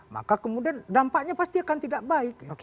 maka kemudian dampaknya pasti akan tidak baik